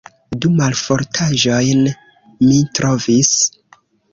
Du malfortaĵojn mi trovis.